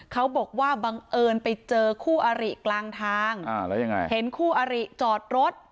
เขาบอกว่าบังเอิญไปเจอคู่อริกลางทางแล้วยังไงเห็นคู่อริจอดรถ